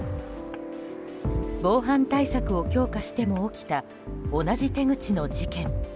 防犯対策を強化しても起きた同じ手口の事件。